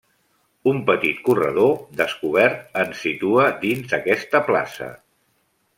Un petit corredor, descobert, ens situa dins d'aquesta plaça.